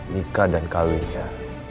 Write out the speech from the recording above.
nikah dan kawinnya